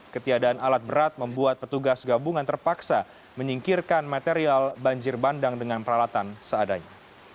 ketiadaan alat berat membuat petugas gabungan terpaksa menyingkirkan material banjir bandang dengan peralatan seadanya